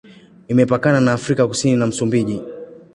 Imepakana na Afrika Kusini na Msumbiji.